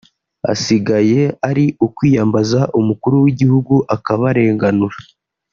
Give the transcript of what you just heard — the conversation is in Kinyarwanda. ahasigaye ari ukwiyambaza umukuru w’igihugu akabarenganura